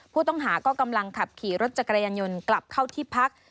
ผู้ต้องหาก็กำลังขับขี่รถจักรยานยนต์กลับเข้าที่พัก